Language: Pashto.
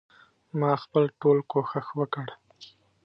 ما خپل ټول کوښښ وکړ.